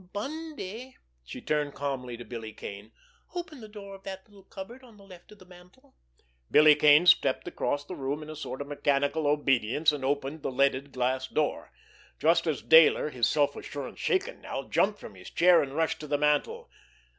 "Bundy"—she turned calmly to Billy Kane—"open the door of that little cupboard on the left of the mantel." Billy Kane stepped across the room in a sort of mechanical obedience, and opened the leaded glass door—just as Dayler, his self assurance shaken now, jumped from his chair, and rushed to the mantel.